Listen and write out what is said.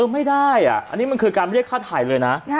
ไม่ได้อันนี้มันคือการเรียกค่าถ่ายเลยนะ